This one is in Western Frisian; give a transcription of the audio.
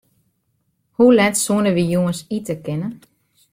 Hoe let soenen wy jûns ite kinne?